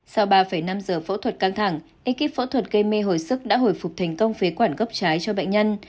sau ba năm giờ phẫu thuật căng thẳng ekip phẫu thuật gây mê hồi sức đã hồi phục thành công phế quản gốc trái cho bệnh nhân